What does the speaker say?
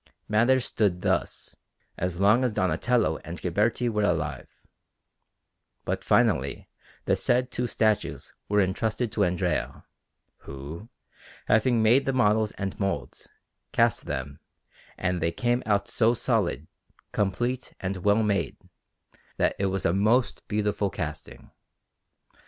Matters stood thus as long as Donatello and Ghiberti were alive; but finally the said two statues were entrusted to Andrea, who, having made the models and moulds, cast them; and they came out so solid, complete, and well made, that it was a most beautiful casting.